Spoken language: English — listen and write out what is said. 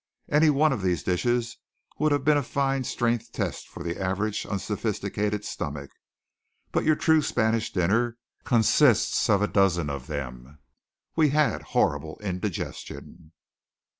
Any one of these dishes would have been a fine strength test for the average unsophisticated stomach; but your true Spanish dinner consists of a dozen of them. We had horrible indigestion.